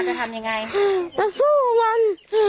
กินอะไรกันที่อย่างนั้น